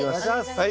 はい。